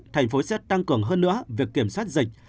thành phố sẽ tăng cường hơn nữa việc kiểm soát dịch